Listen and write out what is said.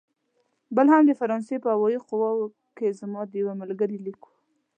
بل هم د فرانسې په هوايي قواوو کې زما د یوه ملګري لیک و.